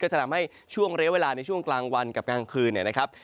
จะทำให้ช่วงระยะเวลาในช่วงกลางวันกับกลางคืนเนี่ยนะครับ